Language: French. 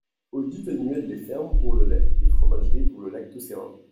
Audit annuel des fermes pour le lait, des fromageries pour le lactosérum.